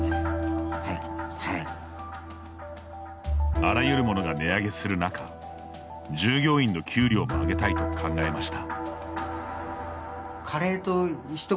あらゆるものが値上げする中従業員の給料も上げたいと考えました。